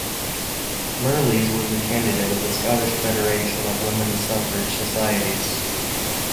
Mirrlees was the candidate of the Scottish Federation of Women's Suffrage Societies.